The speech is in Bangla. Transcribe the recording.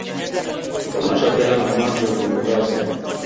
তোমার সাথে আমার জরুরি কথা আছে।